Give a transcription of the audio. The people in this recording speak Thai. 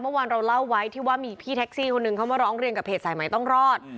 เมื่อวานเราเล่าไว้ที่ว่ามีพี่แท็กซี่คนหนึ่งเขามาร้องเรียนกับเพจสายใหม่ต้องรอด